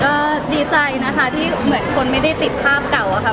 ก็ดีใจที่คนไม่ได้ติดภาพเก่า